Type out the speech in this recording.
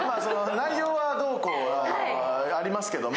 内容は、どうこうありますけれども。